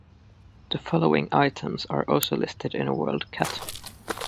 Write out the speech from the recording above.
The following items are also listed in WorldCat.